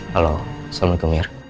halo assalamualaikum ya